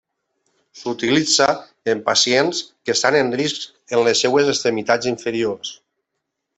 S'utilitza en pacients que estan en risc en les seves extremitats inferiors.